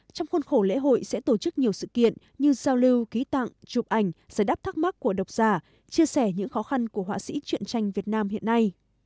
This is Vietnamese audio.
trong khuôn khổ lễ hội sẽ tổ chức nhiều sự kiện như giao lưu ký tặng chụp ảnh giải đáp thắc mắc của độc giả chia sẻ những khó khăn của họa sĩ chuyện tranh việt nam hiện nay